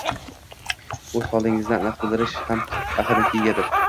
o‘z holingizni aniq bildirish ham ahamiyatga egadir.